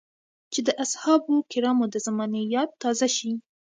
چې د اصحابو کرامو د زمانې ياد تازه شي.